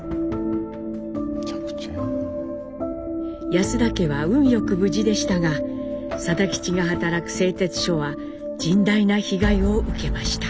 安田家は運良く無事でしたが定吉が働く製鉄所は甚大な被害を受けました。